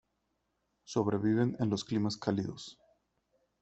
Sobreviven en los climas cálidos.